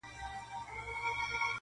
• پلار د شپې بې خوبه وي,